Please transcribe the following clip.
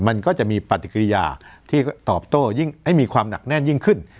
มันก็จะมีปฏิกิริยาที่ตอบโต้ยิ่งให้มีความหนักแน่นยิ่งขึ้น